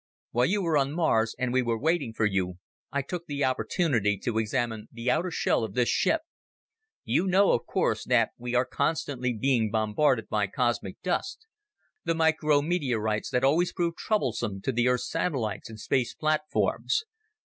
"While you were on Mars and we were waiting for you, I took the opportunity to examine the outer shell of this ship. You know, of course, that we are constantly being bombarded by cosmic dust, the micrometeorites that always prove troublesome to the Earth satellites and space platforms.